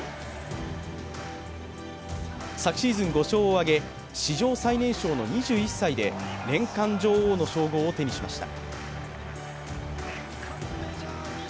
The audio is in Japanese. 昨シーズン５勝を挙げ史上最年少の２１歳で年間女王の称号を手にしました。